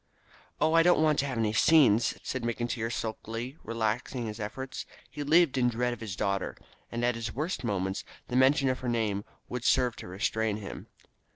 "Oh, I don't want to have any scenes," said McIntyre sulkily, relaxing his efforts. He lived in dread of his daughter, and at his worst moments the mention of her name would serve to restrain him.